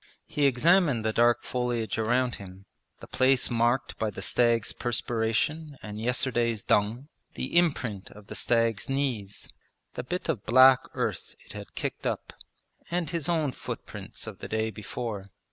He examined the dark foliage around him, the place marked by the stag's perspiration and yesterday's dung, the imprint of the stag's knees, the bit of black earth it had kicked up, and his own footprints of the day before.